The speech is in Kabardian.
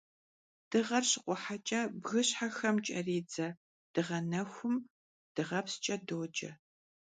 Dığer şıkhueheç'e bgışhexem ç'eridze dığenexum dığenepsç'e doce.